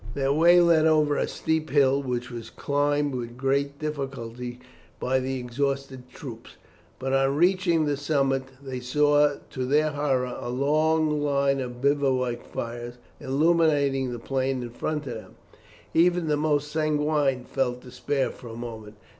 Their way led over a steep hill, which was climbed with great difficulty by the exhausted troops; but on reaching the summit they saw to their horror a long line of bivouac fires illuminating the plain in front of them. Even the most sanguine felt despair for a moment.